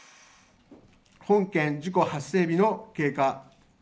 本件事故発生日の経過。